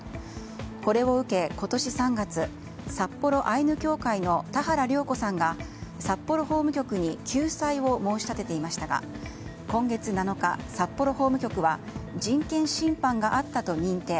これを受け、今年３月札幌アイヌ協会の多原良子さんが、札幌法務局に救済を申し立てていましたが今月７日、札幌法務局は人権侵犯があったと認定。